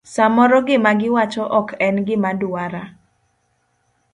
Samoro gima giwacho ok en gima dwara.